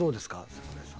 櫻井さん。